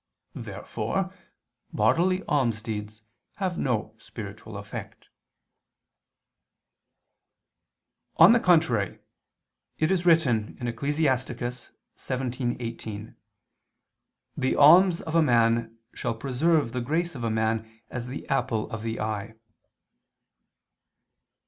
Therefore bodily almsdeeds have no spiritual effect. On the contrary, It is written (Ecclus. 17:18): "The alms of a man ... shall preserve the grace of a man as the apple of the eye."